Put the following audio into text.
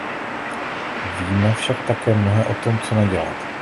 Víme však také mnohé o tom, co nedělat.